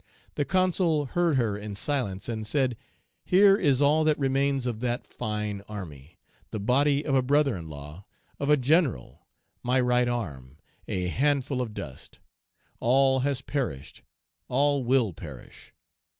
The Consul heard her in silence, and said, "Here is all that remains of that fine army, the body of a brother in law, of a general, my right arm, a handful of dust; all has perished, all will perish.